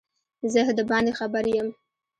زه دباندي خبر یم